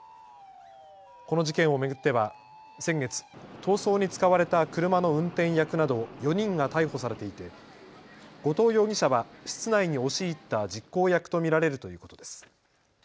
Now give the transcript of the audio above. この事件を巡っては先月、逃走に使われた車の運転役など４人が逮捕されていて後藤容疑者は室内に押し入った実行役と見られるということです。